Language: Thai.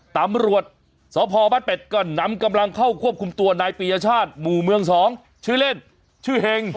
ตำรวจสพบ้านเป็ดก็นำกำลังเข้าควบคุมตัวนายปียชาติหมู่เมือง๒ชื่อเล่นชื่อเฮง